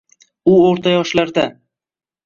U o’rta yoshlarda.